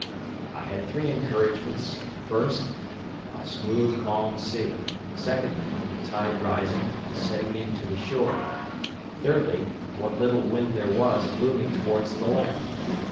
I had three encouragements—1st, a smooth, calm sea; 2ndly, the tide rising, and setting in to the shore; 3rdly, what little wind there was blew me towards the land.